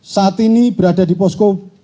saat ini berada di posko